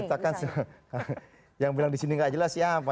kita kan yang bilang di sini gak jelas siapa